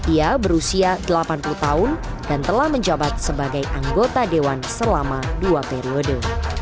ia berusia delapan puluh tahun dan telah menjabat sebagai anggota dewan selama dua periode